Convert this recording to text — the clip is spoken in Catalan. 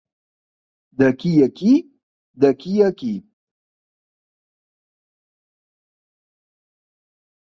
D'aquí a aquí... d'aquí a aquí...